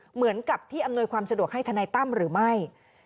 เหมือนกับที่อำนวยความสะดวกให้ทนายตั้มหรือไม่